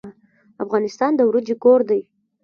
افغانستان د وریجو کور دی.